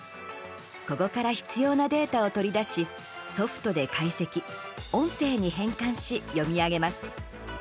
ここから必要なデータを取り出しソフトで解析音声に変換し読み上げます。